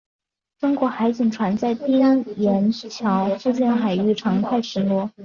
中国海警船在丁岩礁附近海域常态巡逻。